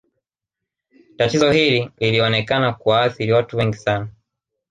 Tatizo hili lilionekana kuwaathiri watu wengi sana